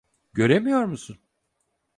Göremiyor musun?